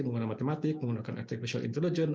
menggunakan matematik menggunakan artificial intelligence